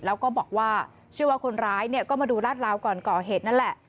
แล้วก็บอกว่าเชื่อว่าคนร้ายเนี่ยก็มาดูลาดราวก่อนก่อเหตุนั่นแหละ